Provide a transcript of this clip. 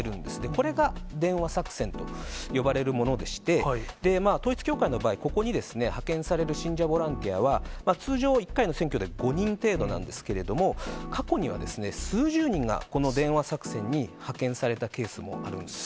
これが電話作戦と呼ばれるものでして、統一教会の場合、ここに派遣される信者ボランティアは、通常１回の選挙で５人程度なんですけれども、過去には数十人がこの電話作戦に派遣されたケースもあるんです。